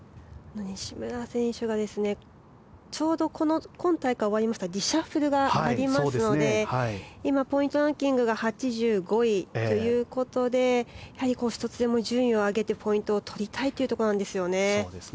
西村選手がちょうど今大会が終わりますとリシャッフルがありますので今、ポイントランキングが８５位ということで１つでも順位を上げてポイントを取りたいというところなんですよね。